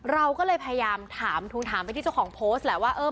เราก็เลยพยายามถามทวงถามไปที่เจ้าของโพสต์แหละว่า